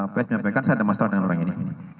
ps menyampaikan saya ada masalah dengan orang ini